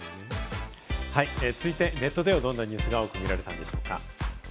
続いてネットではどんなニュースが多く見られたのでしょうか？